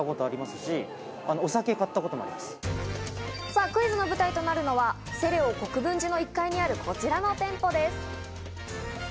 さぁ、クイズの舞台となるのはセレオ国分寺の１階にあるこちらの店舗です。